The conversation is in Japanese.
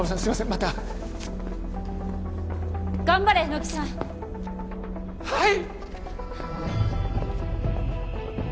また頑張れ乃木さんはい！